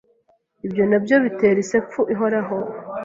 Ibi nabyo bitera isepfu ihoraho.